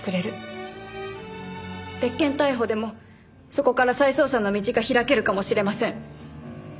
別件逮捕でもそこから再捜査の道が開けるかもしれません。